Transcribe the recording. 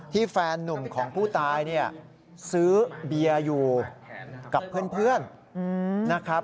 ที่แฟนหนุ่มของผู้ตายซื้อเบียร์อยู่กับเพื่อน